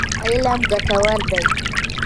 علم ګټور دی.